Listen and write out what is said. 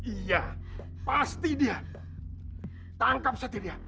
iya pasti dia tangkap saja dia